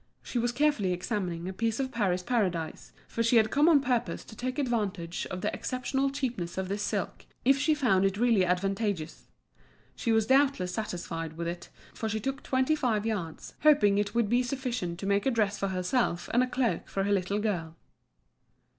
She was carefully examining a piece of Paris Paradise, for she had come on purpose to take advantage of the exceptional cheapness of this silk, if she found it really advantageous. She was doubtless satisfied with it, for she took twenty five yards, hoping it would be sufficient to make a dress for herself and a cloak for her little girl.